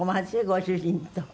ご主人と。